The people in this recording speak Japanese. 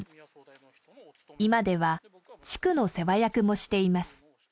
今では地区の世話役もしています。